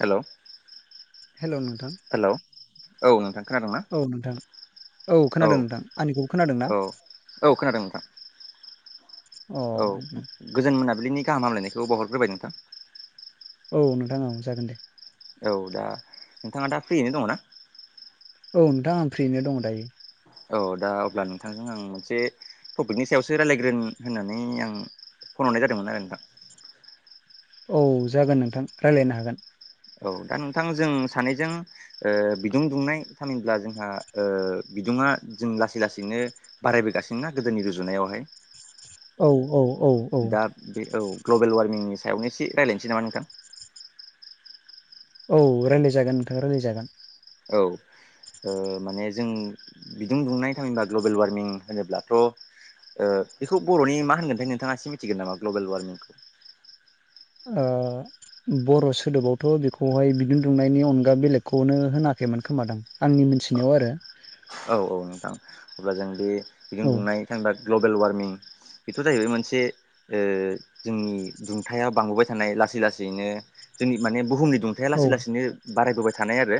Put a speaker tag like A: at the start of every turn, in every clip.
A: हेल'
B: hello नोंथां
A: hello औ नोंथां खोनादों ना?
B: औ नोंथां
A: औ
B: खोनादों नोंथां आंनिखौबो खोनादों ना
A: औ औ खोनादों नोंथां।
B: अ
A: औ गोजोन मोनाबिलिनि गाहाम हामलायनायखौ बावहरग्रोबाय नोंथां।
B: औ नोंथां ओं जागोन दे।
A: औ दा नोंथाङा दा फ्रियैनो दङ' ना?
B: औ नोंथां आं फ्रियैनो दङ' दायो।
A: औ दा अब्ला नोंथांजों आं मोनसे टपिकनि सायावसो रायज्लायग्रोनि होननानै आं फन हरनाय जादोंमोन आरो नोंथां।
B: औ जागोन नोंथां रायज्लायनो हागोन
A: औ दा नोंथां जों सानैजों ओ बिदुं दुंनाय थामहिनबा जोंहा बिदुङा जों लासै लासैनो बारायबोगासिनो ना गोदोनि रुजुनायावहाय
B: औ औ औ औ
A: दा बे औ ग्ल'बेल वार्मिंनि सायावनो एसे रायज्लायनोसै नामा नोंथां?
B: औ रायज्लायजागोन नोंथां रायज्लायजागोन
A: औ ओ माने जों बिदि बुंनाय थामहिनबा ग्लबेल वार्मिं होनोब्लाथ' ओ बेखौ बर'नि मा होनगोनथाय नोंथाङा एसे मिथिगोन नामा ग्ल'बेल वार्मिंखौ?
B: ओ बर' सोदोबावथ' बेखौहाय बिदुं दुंनायनि अनगा बेलेगखौनो होनाखैमोन खोमादां आंनि मोनथिनायाव आरो
A: औ औ नोंथां अब्ला जों बे बिदुं
B: औ
A: दुंनाय थामहिनबा ग्लबेल वारमिं बेथ' जाहैबाय मोनसे ओ जोंनि दुंथाया बांबोबाय थानाय लासै लासैनो जोंनि माने बुहुमनि दुं- थाया
B: औ
A: लासै लासैनो बारायबोबाय थानाय आरो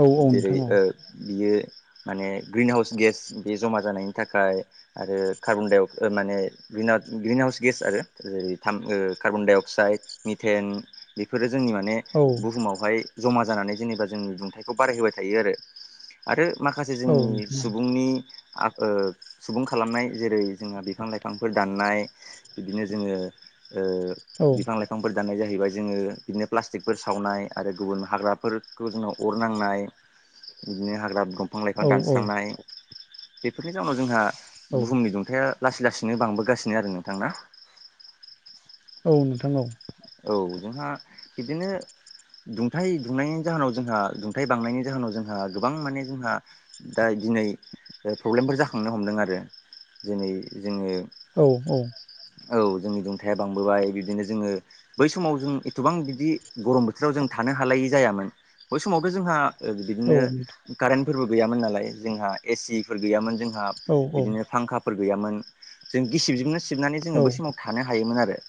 B: औ औ
A: जेरै
B: नोंथां औ
A: बियो माने ग्रिन हाउस गेस बे जमा जानायनि थाखाय आरो कार्बन डाइ अक्साइद माने- ग्रिनाव ग्रिन हाउस गेस आरो जेरै थाम कार्बन डाइ अक्साइड मिथेन बेफोरो जोंनि माने
B: औ
A: बुहुमावहाय जमा जानानै जेनेबा जोंनि दुंथाइखौ बारायहोबाय थायो आरो आरो माखासे
B: औ
A: जोंनि
B: नोंथां
A: सुबुंनि सुबुं खालामनाय जेरै जोंहा बिफां लाइफांफोर दाननाय बिदिनो जोङो
B: औ
A: बिफां लाइफां बिफांफोर दाननाय जाहैबाय जोङो बिदिनो प्लास्टिकफोर सावनाय आरो गुबुन हाग्राफोरखौ जोंनाव अर नांनाय बिदिनो हाग्रा दंफां लाइफां
B: औ
A: दानस्रांनाय बेफोरनि जाउनाव जोंहा
B: औ
A: बुहुमनि दुंथाया लासै लासैनो बांबोगासिनो आरो नोंथां ना
B: औ नोंथां औ
A: औ जोंहा बिदिनो दुंथाइ दुंनायनि जाहोनाव जोंहा दुंथाइ बांनायनि जाहोनाव जोंहा गोबां माने जोंहा दा दिनै प्रब्लेमफोर जाखांनो हमदों आरो जेरै जोङो
B: औ औ
A: औ जोंनि दुंथाया बांबोबाय बिदिनो जोङो बै समाव जों एथबां बिदि गरम बोथोराव जों थानो हालायै जायामोन बै समावथ' जोंहा
B: औ
A: बिदिनो कारेन्टफोरबो गैयामोन नालाय जोंहा एसिफोर गैयामोन जोंहा बिदिनो फांखाफोर गैयामोन जों गिसिबजोंनो सिबनानै
B: औ
A: जोङो बै समाव थानो हायोमोन आरो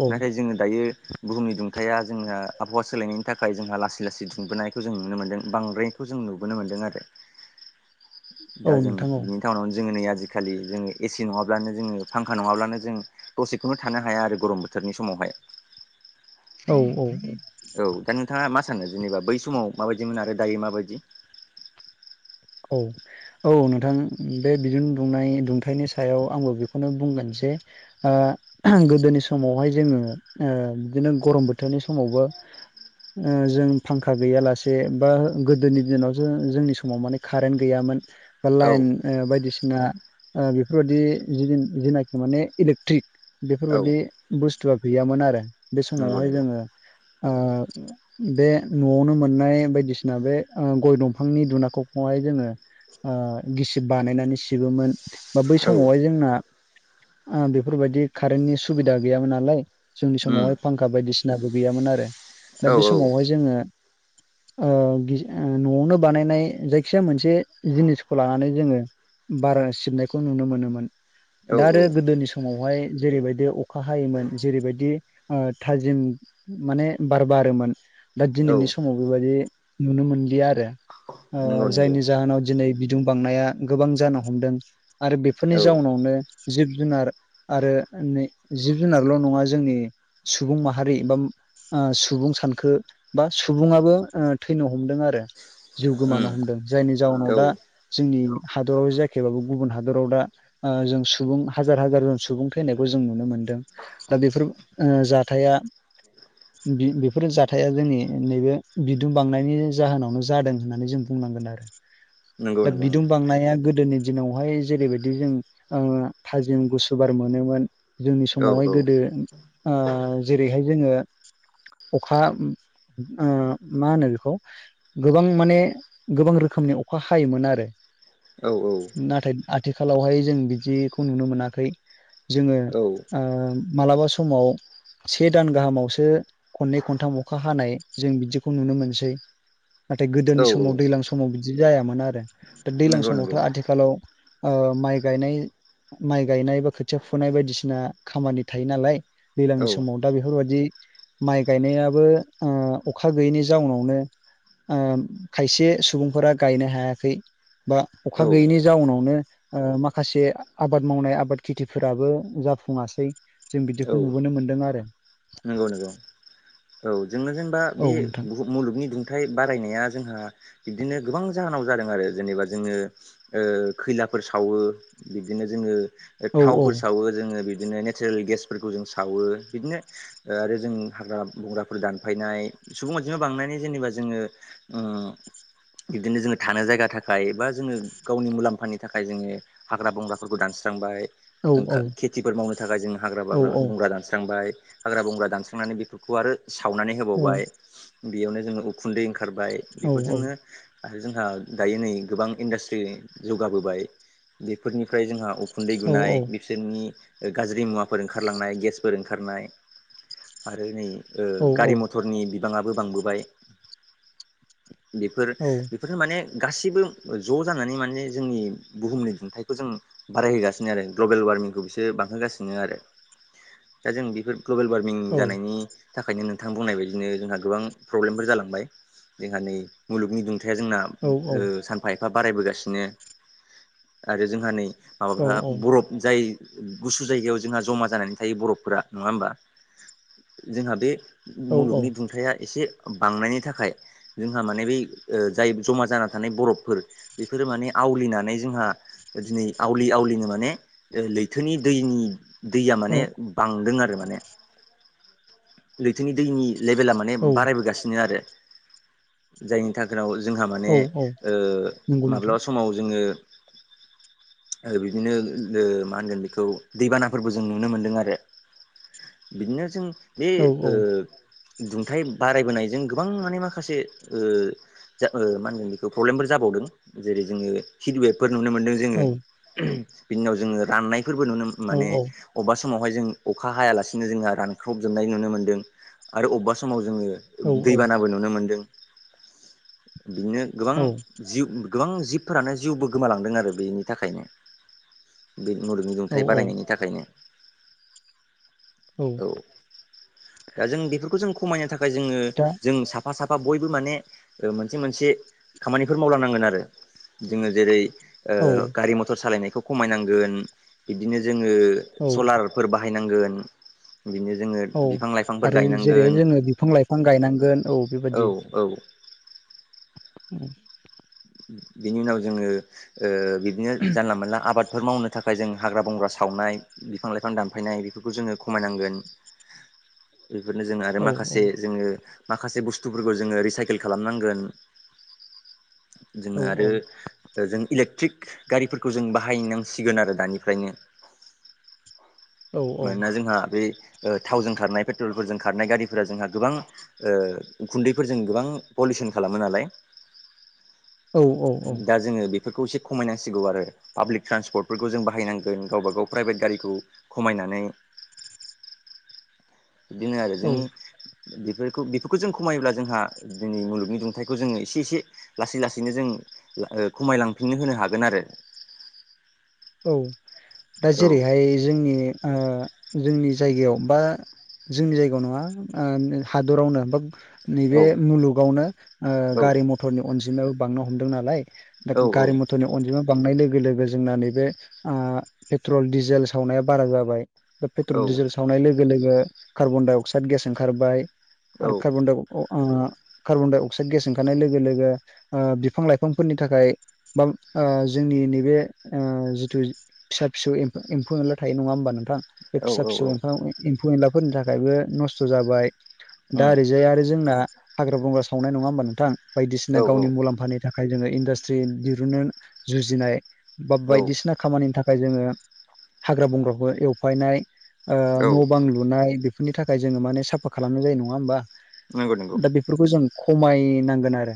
B: औ
A: नाथाय जोङो दायो बुहुमनि दुंथाया जोंना आबहावा सोलायनायनि थाखाय जोंहा लासै लासै दुंबोनायखौ जों नुनो मोनदों बांद्राय खौ जों नुबोनो मोनदों आरो दा
B: औ
A: जों
B: नोंथां औ
A: बे टाउनाव जोङो नै आजिखालि जोङो एसि नङाब्लानो जोङो फांखा नङाब्लानो जों दसेखौनो थानो हाया आरो गरम बोथोरनि समावहाय
B: औ औ औ
A: औ दा नोंथाङा मा सानो जेनेबा बै समाव माबायदिमोन आरो दायो माबायदि
B: औ औ नोंथां बे बिदुन दुंनाय दुंथाइनि सायाव आंबो बेखौनो बुंगोन जे गोदोनि समावहाय जोङो बिदिनो गरम बोथोरनि समावबो जों फांखा गैयालासे बा गोदोनि दिनाव जों जोंनि समाव माने कारेन्ट गैयामोन बा
A: औ
B: लाइन बायदिसिना बेफोरबायदि जेनाखि माने इलेकट्रिक
A: औ
B: बेफोरबायदि बुस्थुआ गैयामोन आरो बे
A: नंगौ
B: समावहाय
A: नंगौ
B: जोङो बे न'आवनो मोननाय बायदिसिना बे गय दंफांनि दुनाखौ हाय जोङो गिसिब बानायनानै सिबोमोन बा बै
A: औ
B: समावहाय जोंना बेफोरबायदि कारेन्टनि सुबिदा गैयामोन नालाय जोंनि
A: उम
B: समावहाय फांखा बायदिसिनाबो गैयामोन आरो
A: औ
B: दा बे
A: औ
B: समावहाय जोङो न'आवनो बानायनाय जाय खिया मोनसे जिनिसखौ लानानै जोङो बारा सिबनायखौ नुनो मोनोमोन
A: औ
B: दा आरो गोदोनि समावहाय जेरैबायदि अखा हायोमोन जेरैबायदि थाजिम माने बार बारोमोन दा
A: औ
B: दिनैनि समाव बेबायदि नुनो मोनलिया आरो
A: नंगौ नंगौ
B: जायनि जाहोनाव दिनै बिदुं बांनाया गोबां जानो हमदों आरो
A: औ
B: बेफोरनि जाउनावनो जिब जुनार आरो जिब जुनारल' नङा जोंनि सुबुं माहारि एबा सुबुं सानखो बा सुबुङाबो थैनो हमदों आरो जिउ गोमानो
A: उम
B: हमदों जायनि जाउनाव
A: औ
B: दा जोंनि हादराव जायाखैबाबो गुबुन हादराव दा जों सुबुं हाजार हाजार जन सुबुं थैनायखौ जों नुनो मोनदों दा बेफोर जाथाया बेफोर जाथाया जोंनि नैबे बिदुं बांनायनि जाहोनावनो जादों होननानै जों बुंनांगोन आरो
A: नंगौ
B: दा
A: नंगौ
B: बिदुं
A: नोंथां
B: बांनाया गोदोनि दिनावहाय जेरैबायदि जों थाजिम गुसुु बार मोनोमोन जोंनि
A: औ औ
B: समावहाय गोदो जेरैहाय जोङो अखा मा होनो बेखौ गोबां माने गोबां रोखोमनि अखा हायोमोन आरो।
A: औ औ।
B: नाथाय आथिखालावहाय जों बिदिखौ नुनो मोनाखै। जोङो
A: औ
B: मालाबा समाव। से दान गाहामावसो खननै खनथाम अखा हानाय जों बिदिखौ नुनो मोनसै। नाथाय
A: औ
B: गोदोनि समाव दै समाव बिदि जायामोन आरो दा दैज्लां
A: नंगौ
B: समावथ'
A: नंगौ
B: आथिखालाव माइ गायनाय। माइ गायनाय बा खोथिया फुनाय बायदिसिना खामानि थायो नालाय
A: औ
B: दैज्लांनि समाव दा बेफोरबायदि माइ गायनायाबो अखा गैयैनि जाउनावनो खायसे सुबुंफोरा गायनो हायाखै बा अखा
A: औ
B: गैयिनि जाउनावनो माखासे आबाद मावनाय आबाद खेथिफोराबो जाफुङासै जों
A: औ
B: बिदिखौ नुबोनो मोन्दों आरो।
A: नंगौ नंगौ औ जोंनो जेनबा बे
B: औ नोंथां
A: बुहु मुलुगनि दुंथाइ बारायनाया जोंहा बिदिनो गोबां जाहोनाव जादों आरो जेनेबा जोङो खैलाफोर सावो बिदिनो जोङो
B: औ औ
A: थावफोर सावो ज बिनो नेचारेल गेसफोरखौ जों सावो बिदिनो आरो जों हाग्रा बग्रा फोर दानफायनाय सुबुं मथिनो बांनानै जेनेबा जोङो बिदिनो जोङो थानो जायगा थाखाय बा जोङो गावनि मुलाम्फानि थाखाय जोङो हाग्रा बंग्राफोरखौ दानस्रांबाय। ओं
B: औ औ
A: खेथिफोर मावनो थाखाय जों हाग्रा
B: औ
A: बाग्रा बंग्रा दानस्रांबाय। हाग्रा बंग्रा दानस्रांनानै बेफोरखौ आरो सावनानै
B: औ
A: होबावबाय बेयावनो जोङो खुन्दै ओंखारबाय
B: औ
A: बेफोरजोंनो
B: औ
A: आरो जोंहा दायो नै गोबां इन्डासट्रि जौगाबोबाय बेफोरनिफ्राय जोंहा खुन्दै
B: औ
A: गुनाय
B: औ
A: बिसोरनि गाज्रि मुवाफोर ओंखारलांनाय गेसफोर ओंखारनाय आरो नै
B: औ
A: गारि मथरनि बिबाङाबो बांबोबाय बेफोर
B: औ
A: बेफोरखौनो माने गासैबो ज' जानानै माने जोंनि बुहुमनि दुंथाइखौ जों बारायहोगासिनो आरो ग्लबेल वार्मिंखौ बिसो बांहोगासिनो आरो दा जों बेफोर ग्लबेल वार्मि
B: औ
A: मिं जानायनि थाखायनो नोंथां बुंनाय बायदिनो जोंहा गोबां प्रब्लेमफोर जालांबाय। जोंहा नै मुलुगनि दुंथाया जोंना
B: औ
A: सानफा एफा बारायबोगासिनो आरो जोंहा नै
B: औ
A: माबाफ बरफ जाय गुसु जायगायाव जोंहा जमा जानानै थायो बरफफोरा नङा होमबा? जोंहा बे
B: औ
A: मुलुगनि दुंथाया एसे बांनायनि थाखाय जोंहा माने बै जाय जमा जाना थानाय बरफफोर बेफोरो माने आवलिनानै जोंहा दिनै आवलि आवलिनो माने लैथोनि दैनि दैया माने
B: औ
A: बांदों आरो माने लैथोनि दैनि लेभेला माने
B: औ
A: बारायबोगासिनो आरो जायनि थाखायनाव जोंहा
B: औ
A: माने
B: औ नंगौ नोंथां
A: माब्लाब समाव जोङो बिदिनो मा होनगोन बेखौ दैबानाफोरबो जों नुनो मोनदों आरो बिदिनो जों बे
B: औ
A: दुंथाय बारायबोनायजों गोबां माने माखासे जा मा होनगोन बेखौ प्रब्लेमफोर जाबावदों जेरै जोङो हिडवेबफोर नुनो मोनदों। जोङो
B: औ
A: बिनि उनाव जोङो राननायफोरबो नुनो
B: औ
A: माने
B: औ
A: अबेबा समावहाय जों अखा हायालासिनो जोंहा रानख्रबजोबनाय नुनो मोनदों आरो अबेबा समाव जोङो दैबानाबो नुनो मोनदों बिदिनो गोबां
B: औ
A: जिउ गोबां जिबफोरानो जिउबो गोमालांदों आरो बेनि थाखायनो बे मुलुगनि
B: औ
A: दुंथाइ बारायनायनि थाखायनो
B: औ
A: दा जों बेफोरखौ जों खमायनो थाखाय जोंङो
B: दा
A: जों साफा साफा साफा बयबो माने मोनसे मोनसे खामानिफोर मावलांनांगोन आरो जोंङो जेरै
B: औ
A: गारि मथर सालायनायखौ खमायनांगोन बिदिनो जोंङो
B: औ
A: सलार फोर बाहायनांगोन बिदिनो जोंङो
B: औ आरो जेरै जोंङो बिफां लाइफां गायनांगोन औ बेबादि
A: औ
B: औ
A: बिनि उनाव जोंङो बिदिनो जानला मोनानला आबाद बेफोर मावनो थाखाय जों हाग्रा बंग्रा सावनाय बिफां लाइफां दानफायनाय बेफोरखौ जोंङो खमायनांगोन [inaudible] बेफोरनो जोंङो आरो
B: औ
A: माखासे जोंङो माखासे बुस्थुफोरखौ जोंङो रिसाइकेल खालामनांगोन।
B: औ
A: जोंङो
B: औ
A: आरो जों इलेक्ट्रिक गारिफोरखौ जों बाहायनांसिगोन आरो दानिफ्रायनो
B: औ
A: मानोना जोंहा बेै थावजों खारनाय पेट्रलफोरजों खारनाय गारिफोरा जोंहा गोबां गुन्दैफोरजों गोबां पलिउसन खालामो नालाय
B: औ
A: दा जोंङो बे बेफोरखौ एसे खमायनांसिगौ आरो पाब्लिक ट्रान्सपर्टफोरखौ जों बाहायनांगोन गावबा गाव प्राइभेट गारिखौ खमायनानै बिदिनो आरो
B: औ
A: जोंनि बेफोरखौ बेफोरखौ जों खमायोब्ला जोंहा दिनै मुलुगनि दुंथाइखौ जोंङो एसे एसे लासै लासैनो जों खमायलांफिननो होनो हागोन आरो
B: औ दा
A: औ
B: जेरैहाय जोंनि जोंनि जायगायाव बा जोंनि जायगायाव नंङा हादरावनो बा
A: औ
B: नैबे मुलुगावनो गारि मथरनि अनजिमायाबो बांनो हमदों नालाय दा
A: औ
B: गारि मथरनि अनजिमा बांनाय लोगो लोगो जोंना नैबे पेट्रल डिजेल सावनाया बारा जाबाया
A: औ
B: पेट्रलिजेल सा सावनाय लोगो लोगो कार्बन डाइ अक्साइद गेस ओंखारबाय आरो कार्बनाइ कार्बन डाइ अक्साइद गेस ओंखारनाय लोगो लोगो बिफां लाइफांफोरनि थाखाय बा जोंनि नैबे जिथु फिसा फिसौ एम्फौ मोनला थायो नंङा होनोमबा नोंथां बे
A: औ
B: फिसा
A: औ
B: फिसौ
A: औ
B: एम्फौ एम्फौ एनलाफोरनि थाखायबो नस्थ' जाबाय
A: उम
B: दा ओरैजाय आरो जोंना हाग्रा बंग्रा सावनाय नंङा होमबा नोंथां बायदिसिना
A: औ
B: गावनि मुलाम्फानि थाखाय थाखाय जोंङो इडास्ट्रि दिरुननो जुजिनाय बा
A: औ
B: बायदिसिना खामानिनि थाखाय जोंङो हाग्रा बंग्राखौ एवफायनाय
A: औ
B: न' बांलु थाखाय जोंनो माने सापट खालामनाय जायो नंङा होमबा
A: नंगौ नंगौ
B: बेफोरखौ जों खमायनांगोन आरो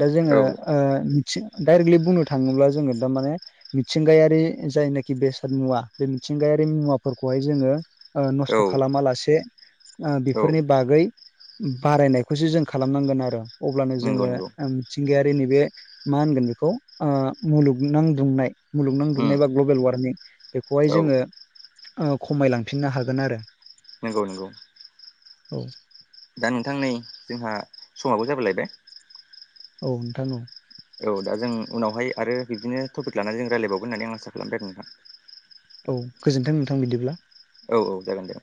B: दा
A: औ
B: जोंङो डाइरेक्टलि बुंनो थांङोब्ला जोंङो दामाने मिथिंगायारि जायनाखि बेसाद मुवा बे मिथिंगायारि मुवाफोरखौहाय जोंङो
A: औ
B: नस्थ' खालामा लासे
A: औ
B: बेफोरनि बागै बारायनायखौसो जों खालामनांगोन आरो अब्लानो
A: नंगौ
B: जोंङो
A: नंगौ
B: मिथिंगायारि नैबे मा होनगोन बेखौ ओ मुलुगनां दुंनाय मुलुगनां
A: उम
B: दुंनाय बा ग्लबेल वारमिं बेखौहाय
A: औ
B: जोंङो खमायलांफिननो हागोन आरो
A: नंगौ नंगौ
B: औ
A: दा नोंथां नै जोंहा समाबो जाबो लायबाय
B: औ नोंथां औ
A: औ दा जों उनावहाय आरो बिदिनो टपिक लानानै जों रायलायबावगोन होन्नानै आं आसा खालामदों आरो नोंथां।
B: औ गोजोन्थों नोंथां बिदिब्ला
A: औ औ जागोन दे